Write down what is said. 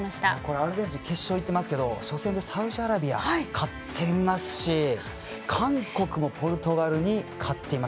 アルゼンチン決勝いってますけど初戦でサウジアラビア勝っていますし韓国もポルトガルに勝っています。